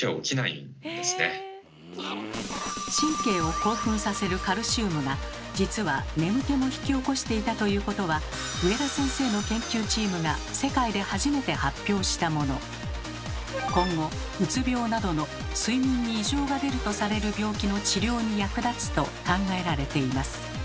神経を興奮させるカルシウムが実は眠気も引き起こしていたということは今後うつ病などの睡眠に異常が出るとされる病気の治療に役立つと考えられています。